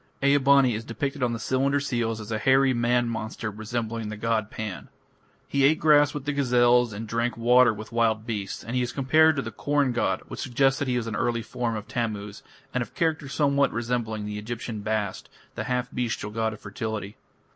Ea bani is depicted on the cylinder seals as a hairy man monster resembling the god Pan. He ate grass with the gazelles and drank water with wild beasts, and he is compared to the corn god, which suggests that he was an early form of Tammuz, and of character somewhat resembling the Egyptian Bast, the half bestial god of fertility.